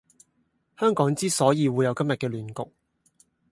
香港之所以會有今日既亂局